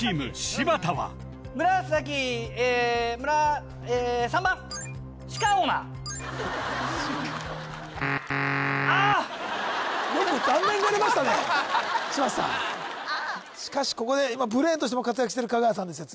柴田さんしかしここで今ブレーンとしても活躍してる香川さんですよ